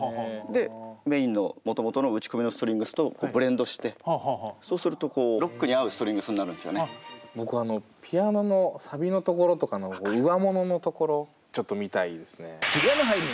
でメインのもともとの打ち込みのストリングスとブレンドしてそうするとこう僕あのピアノのサビのところとかのうわもののところちょっと見たいですね。